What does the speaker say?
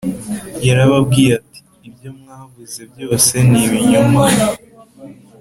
yarababwiye ati ibyo mwavuze byose ni ibinyoma